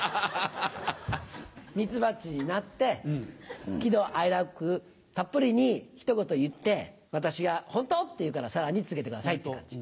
ミツバチになって喜怒哀楽たっぷりにひと言言って私が「ホント？」って言うからさらに続けてくださいって感じ。